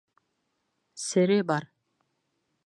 Сере бар.